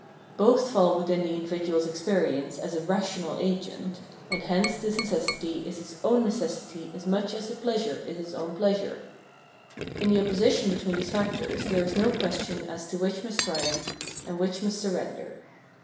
Both fall within the individual's experience as a rational agent, and hence this necessity is his own necessity as much as the pleasure is his own pleasure. In the opposition between these factors there is no question as to which must triumph, and which must sur render.